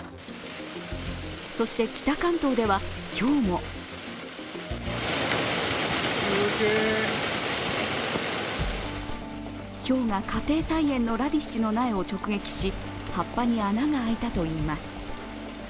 そして北関東では今日もひょうが家庭菜園のラディッシュの苗を直撃し葉っぱに穴が開いたといいます。